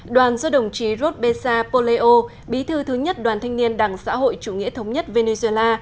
đoàn do đồng chí rô bê sa pô lê âu bí thư thứ nhất đoàn thanh niên đảng xã hội chủ nghĩa thống nhất venezuela